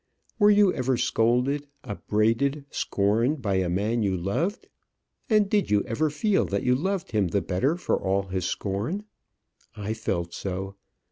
Were you ever scolded, upbraided, scorned by a man you loved? and did you ever feel that you loved him the better for all his scorn? I felt so.